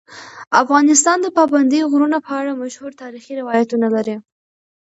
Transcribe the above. افغانستان د پابندي غرونو په اړه مشهور تاریخی روایتونه لري.